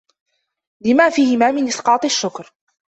لِمَا فِيهِمَا مِنْ إسْقَاطِ الشُّكْرِ